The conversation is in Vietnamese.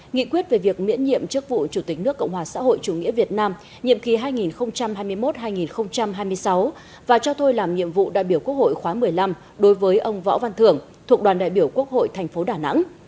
nghị quyết về việc miễn nhiệm chức vụ chủ tịch nước cộng hòa xã hội chủ nghĩa việt nam nhiệm kỳ hai nghìn hai mươi một hai nghìn hai mươi sáu và cho thôi làm nhiệm vụ đại biểu quốc hội khóa một mươi năm đối với ông võ văn thưởng thuộc đoàn đại biểu quốc hội thành phố đà nẵng